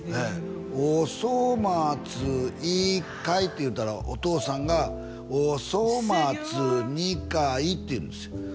おそまつ一回って言うたらお父さんがおそまつ二回って言うんですよ